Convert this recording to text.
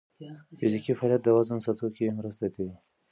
فزیکي فعالیت د وزن ساتلو کې مرسته کوي.